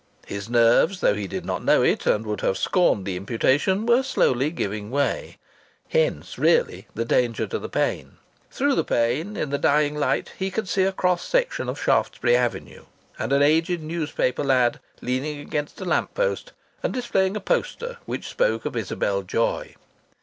His nerves, though he did not know it, and would have scorned the imputation, were slowly giving way. Hence, really, the danger to the pane! Through the pane, in the dying light, he could see a cross section of Shaftesbury Avenue, and an aged newspaper lad leaning against a lamp post and displaying a poster which spoke of Isabel Joy.